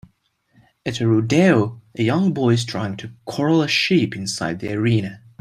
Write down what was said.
At a rodeo a young boy is trying to coral a sheep inside the arena.